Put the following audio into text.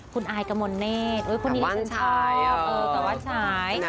คุณอายกมนิเซไตว่าวันชาย